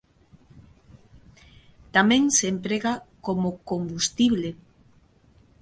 Tamén se emprega como combustible.